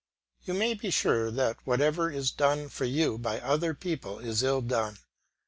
You may be sure that whatever is done for you by other people is ill done.